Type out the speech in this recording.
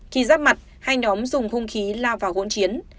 khi giáp mặt hai nhóm dùng hung khí lao vào hôn chiến